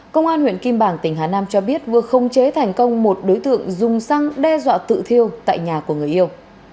công an huyện kim bảng tỉnh hà nam cho biết vừa không chế thành công một đối tượng dùng xăng đe dọa tự thiêu tại nhà của người yêu